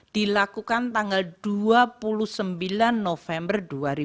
dilakukan tanggal dua puluh sembilan november dua ribu dua puluh